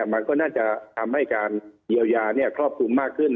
มันก็น่าจะทำให้การเยียวยาครอบคลุมมากขึ้น